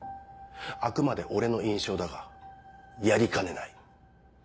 あくまで俺の印象だがやりかねない。